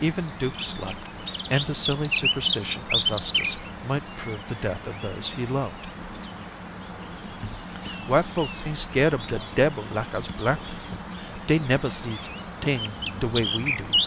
Even Duke slept, and the silly superstition of Gustus might prove the death of those he loved. "White folks ain't scared ob de debbil like us black people. Dey nebber see tings de way we do.